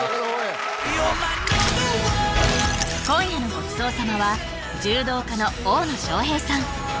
今夜のごちそう様は柔道家の大野将平さん